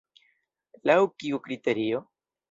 Laŭ kiu kriterio?